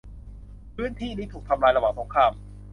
พื้นที่นี้ถูกทำลายระหว่างสงคราม